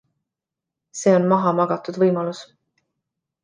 See on mahamagatud võimalus.